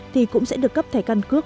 thì cũng sẽ được cấp thẻ căn cước